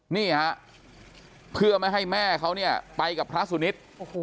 นี่ครับเพื่อไม่ให้แม่เขาไปกับพระสุนิท